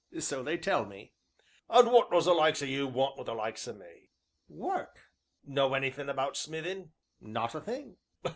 "So they tell me." "And what does the likes o' you want wi' the likes o' me?" "Work!" "Know anythin' about smithin'?" "Not a thing."